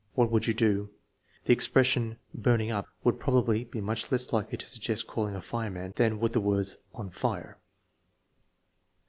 What would you do ?" The expression " burning up " would probably be much less likely to suggest calling a fireman than would the words " on fire."